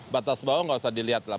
batas bawah nggak usah dilihat lah